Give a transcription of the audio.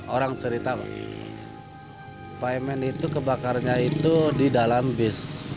orang cerita pak emen itu kebakarnya itu di dalam bis